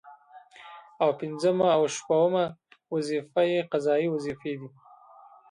او پنځمه او شپومه وظيفه يې قضايي وظيفي دي